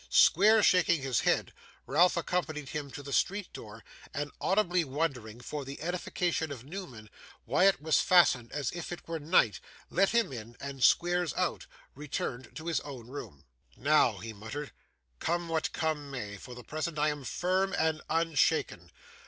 Squeers shaking his head, Ralph accompanied him to the streetdoor, and audibly wondering, for the edification of Newman, why it was fastened as if it were night, let him in and Squeers out, and returned to his own room. 'Now!' he muttered, 'come what come may, for the present I am firm and unshaken.